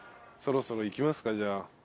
そろそろ行きますかじゃあ。